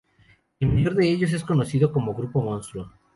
El mayor de ellos es conocido como grupo monstruo.